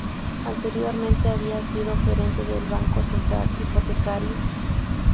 Anteriormente había sido gerente del Banco Central Hipotecario.